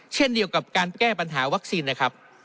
เช่นเดียวกับการแก้ปัญหาวัคซีนนะครับ